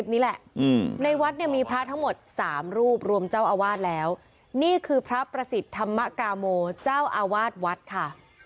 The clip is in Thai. นี่แหละในวัดเนี่ยมีพระทั้งหมดสามรูปรวมเจ้าอาวาสแล้วนี่คือพระประสิทธิ์ธรรมกาโมเจ้าอาวาสวัดค่ะ